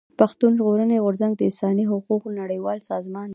پښتون ژغورني غورځنګ د انساني حقوقو نړيوال سازمان دی.